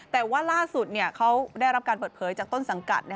แต่ว่าล่าสุดเขาได้รับการเปิดเผยจากต้นสังกัด